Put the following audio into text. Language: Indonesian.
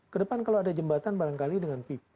ke depan kalau ada jembatan barangkali dengan pipa gitu